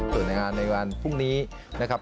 ส่วนในงานในวันพรุ่งนี้นะครับ